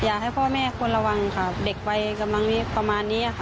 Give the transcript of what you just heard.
อยากให้พ่อแม่ควรระวังค่ะเด็กวัยประมาณนี้ค่ะ